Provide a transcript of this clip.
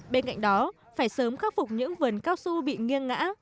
bên cạnh đó phải sớm khắc phục những vườn cao su bị nghiêng ngã